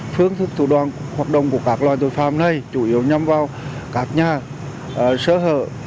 phương thức thủ đoạn hoạt động của các loài tội phạm này chủ yếu nhằm vào các nhà sở hợp